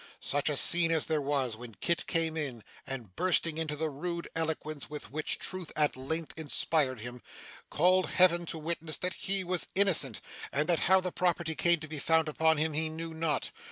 Such a scene as there was, when Kit came in, and bursting into the rude eloquence with which Truth at length inspired him, called Heaven to witness that he was innocent, and that how the property came to be found upon him he knew not!